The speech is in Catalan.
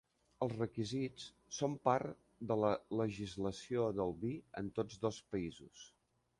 Els requisits són part de la legislació del vi en tots dos països.